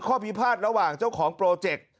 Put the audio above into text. ข้อพิพาทระหว่างเจ้าของโปรเจค